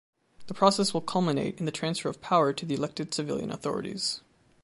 This process will culminate in the transfer of power to the elected civilian authorities.